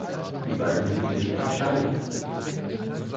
Die beiden ließen sich aber scheiden.